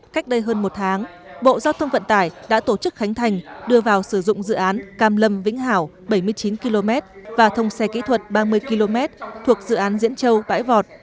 cách đây hơn một tháng bộ giao thông vận tải đã tổ chức khánh thành đưa vào sử dụng dự án cam lâm vĩnh hảo bảy mươi chín km và thông xe kỹ thuật ba mươi km thuộc dự án diễn châu bãi vọt